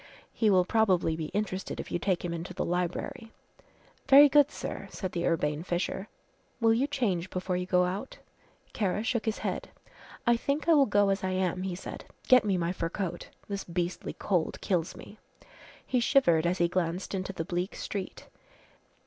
He will probably be interested if you take him into the library." "Very good, sir," said the urbane Fisher, "will you change before you go out?" Kara shook his head. "I think I will go as I am," he said. "Get me my fur coat. This beastly cold kills me," he shivered as he glanced into the bleak street.